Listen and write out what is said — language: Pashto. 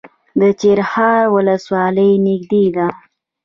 د چپرهار ولسوالۍ نږدې ده